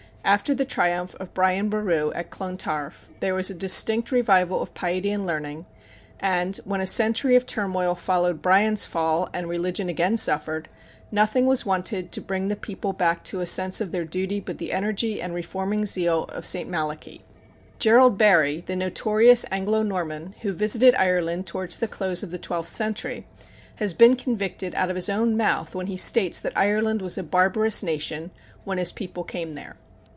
After the triumph of Brian Boru at Clontarf, there was a distinct revival of piety and learning; and, when a century of turmoil followed Brian's fall and religion again suffered, nothing was wanted to bring the people back to a sense of their duty but the energy and reforming zeal of St. Malachy. Gerald Barry, the notorious Anglo Norman, who visited Ireland towards the close of the twelfth century, has been convicted out of his own mouth when he states that Ireland was a barbarous nation when his people came there.